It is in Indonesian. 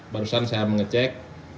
barusan saya mengecek